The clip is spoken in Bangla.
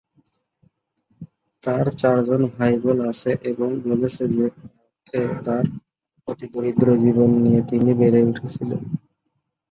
তার চারজন ভাইবোন আছে এবং বলেছেন যে পার্থে তার "অতি দরিদ্র জীবন" নিয়ে তিনি বেড়ে উঠেছিলেন।